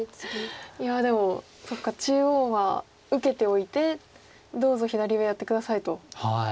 いやでもそっか中央は受けておいてどうぞ左上やって下さいと。